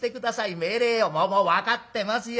もうもう分かってますよ